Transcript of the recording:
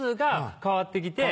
変わって来て。